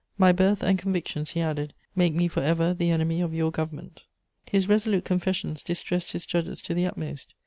My birth and convictions,' he added, 'make me for ever the enemy of your government.' "His resolute confessions distressed his judges to the utmost.